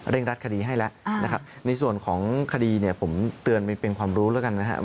รัดคดีให้แล้วนะครับในส่วนของคดีเนี่ยผมเตือนเป็นความรู้แล้วกันนะครับ